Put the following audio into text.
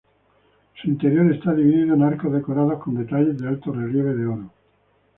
Su interior está dividido en arcos decorados con detalles en alto relieve de oro.